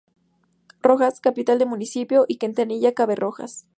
Rojas, capital del municipio y Quintanilla Cabe Rojas.